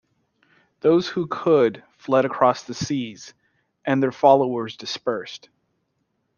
Those who could fled across the seas, and their followers dispersed.